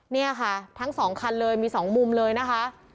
นี่ค่ะทั้งสองคันเลยมี๒มุมเลยนะคะ